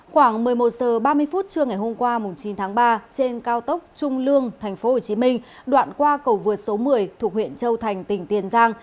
khoảng một mươi một h ba mươi phút trưa ngày hôm qua chín tháng ba trên cao tốc trung lương tp hcm đoạn qua cầu vượt số một mươi thuộc huyện châu thành tỉnh tiền giang